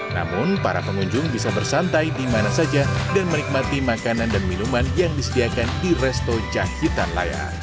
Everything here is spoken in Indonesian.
namun para pengunjung bisa bersantai di mana saja dan menikmati makanan dan minuman yang disediakan di resto jahitan layar